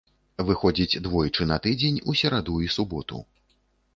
Выходзіць двойчы на тыдзень, у сераду і суботу.